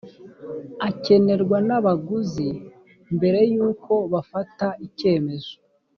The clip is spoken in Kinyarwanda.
akenerwa n abaguzi mbere y uko bafata icyemezo